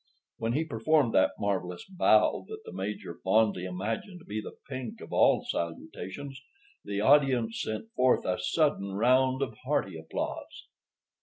When he performed that marvelous bow that the Major fondly imagined to be the pink of all salutations, the audience sent forth a sudden round of hearty applause.